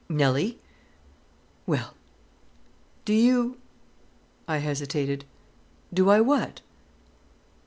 "Nelly." "Well." "Do you " I hesitated. "Do I what?"